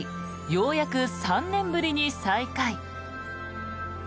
ようやく３年ぶりに再開。